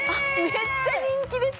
めっちゃ人気ですね